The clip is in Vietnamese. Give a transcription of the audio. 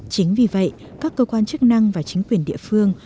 chính vì vậy các cơ quan chức năng và chính quyền địa phương